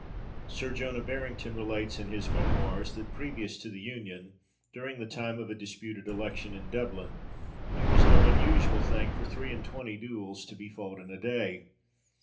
Sir Jonah Barrington relates, in his Memoirs, that, previous to the Union, during the time of a disputed election in Dublin, it was no unusual thing for three and twenty duels to be fought in a day.